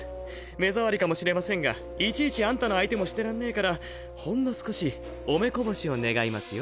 目ざわりかもしれませんがいちいちアンタの相手もしてらんねぇからほんの少しお目こぼしを願いますよ。